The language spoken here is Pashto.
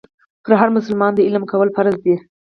پر هر مسلمان د علم کول فرض دي.